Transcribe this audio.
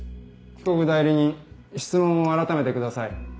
被告代理人質問を改めてください。